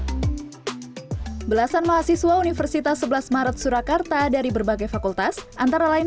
hai belasan mahasiswa universitas sebelas maret surakarta dari berbagai fakultas antara lain